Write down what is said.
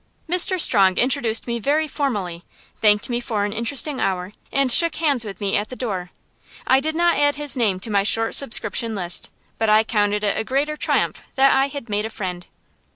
Mr. Strong introduced me very formally, thanked me for an interesting hour, and shook hands with me at the door. I did not add his name to my short subscription list, but I counted it a greater triumph that I had made a friend.